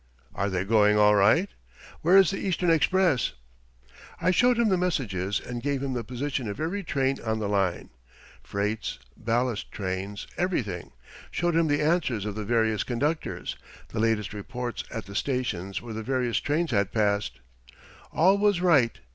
"Are they going all right? Where is the Eastern Express?" I showed him the messages and gave him the position of every train on the line freights, ballast trains, everything showed him the answers of the various conductors, the latest reports at the stations where the various trains had passed. All was right.